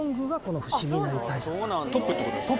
トップってことですね。